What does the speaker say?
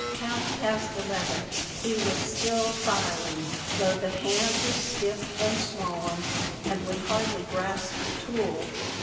Half past eleven. He was still filing, though the hand was stiff and swollen and would hardly grasp the tool.